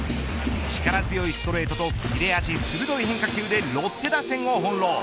力強いストレートと切れ味鋭い変化球でロッテ打線を翻弄。